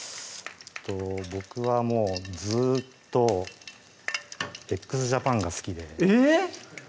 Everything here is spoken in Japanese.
僕はもうずっとＸＪＡＰＡＮが好きでえっ？